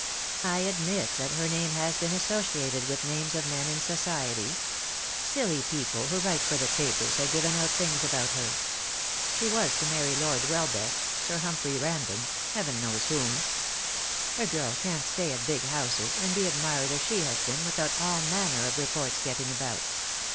I admit that her name has been associated with names of men in society. Silly people who write for the papers have given out things about her. She was to marry Lord Welbeck, Sir Humphrey Random — Heaven knows whom. A girl can't stay at big houses, and be admired as she has been, without all manner of reports getting about.